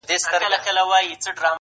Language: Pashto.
هم به مور هم به عالم درنه راضي وي٫